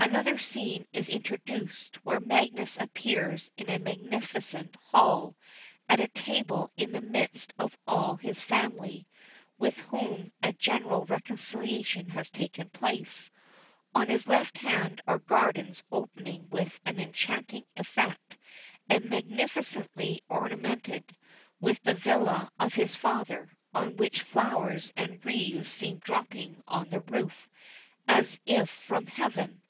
Another scene is introduced, where Magius appears in a magnificent hall at a table in the midst of all his family, with whom a general reconciliation has taken place: on his left hand are gardens opening with an enchanting effect, and magnificently ornamented, with the villa of his father, on which flowers and wreaths seem dropping on the roof, as if from heaven.